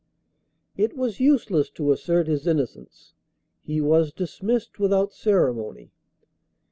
It was useless to assert his innocence; he was dismissed without ceremony.